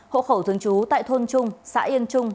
hộ khẩu thương chú tại thôn trung xã yên trung